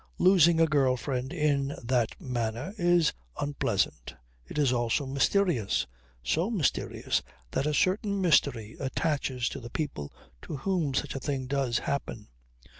Losing a girl friend in that manner is unpleasant. It is also mysterious. So mysterious that a certain mystery attaches to the people to whom such a thing does happen.